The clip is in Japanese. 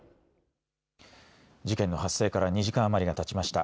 事件の発生から２時間余りがたちました。